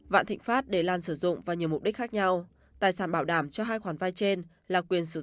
vạn thịnh phát để lan sử dụng và nhiều mục đích khác nhau